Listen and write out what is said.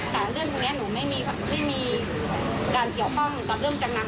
แต่เรื่องคนนี้หนูไม่มีความที่มีการเกี่ยวข้องกับเรื่องจำนำรถ